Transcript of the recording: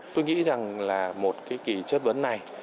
tôi nghĩ rằng là một cái kỳ chất vấn này